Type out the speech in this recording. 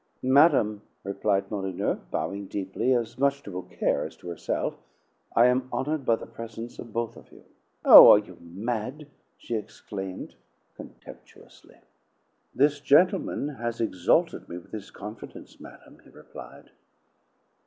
"Madam," replied Molyneux, bowing deeply, as much to Beaucaire as to herself, "I am honored by the presence of both of you. "Oh, are you mad!" she exclaimed, contemptuously. "This gentleman has exalted me with his confidence, madam," he replied.